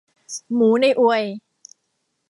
หมูในอวย